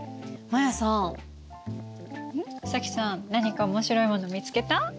早紀さん何か面白いもの見つけた？